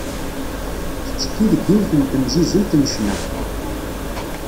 Tettekki deg yiwet n temzizelt n ccna.